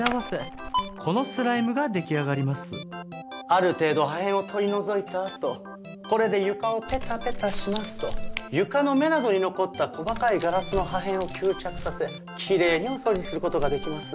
ある程度破片を取り除いたあとこれで床をペタペタしますと床の目などに残った細かいガラスの破片を吸着させきれいにお掃除する事ができます。